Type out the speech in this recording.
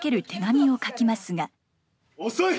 遅い！